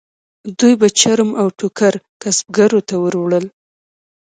دوی به چرم او ټوکر کسبګرو ته ووړل.